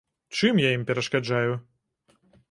Чым я ім перашкаджаю?